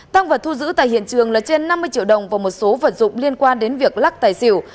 tăng vật thu giữ tại hiện trường là trên năm mươi triệu đồng và một số vật dụng liên quan đến việc lắc tài xỉu